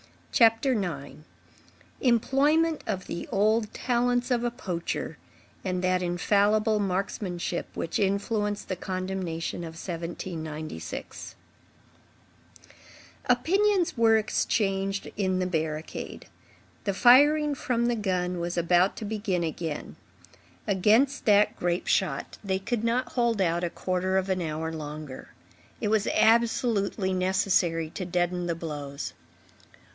CHAPTER IX—EMPLOYMENT OF THE OLD TALENTS OF A POACHER AND THAT INFALLIBLE MARKSMANSHIP WHICH INFLUENCED THE CONDEMNATION OF 1796 Opinions were exchanged in the barricade. The firing from the gun was about to begin again. Against that grape shot, they could not hold out a quarter of an hour longer. It was absolutely necessary to deaden the blows.